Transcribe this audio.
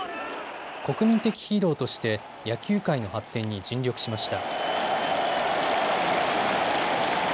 国民的ヒーローとして野球界の発展に尽力しました。